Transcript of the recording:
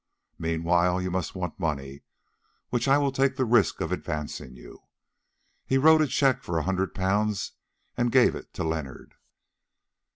Meanwhile, you must want money, which I will take the risk of advancing you," and he wrote a cheque for a hundred pounds and gave it to Leonard.